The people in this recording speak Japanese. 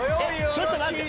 えっちょっと待って！